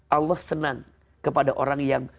allah senang kepada orang yang